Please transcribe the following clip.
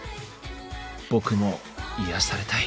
僕も癒やされたい。